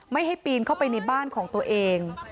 ไม่ให้ปีนเข้าไปในบ้านของตัวเอง